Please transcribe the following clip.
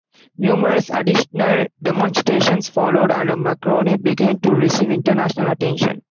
Numerous additional demonstrations followed, and Marconi began to receive international attention.